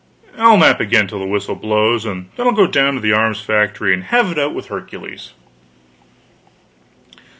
I'll nap again till the whistle blows, and then I'll go down to the arms factory and have it out with Hercules."